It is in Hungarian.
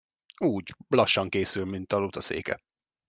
Úgy, lassan készül, mint a Luca széke.